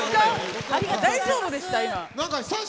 大丈夫でした？